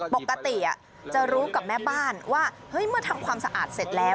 ปกติจะรู้กับแม่บ้านว่าเฮ้ยเมื่อทำความสะอาดเสร็จแล้ว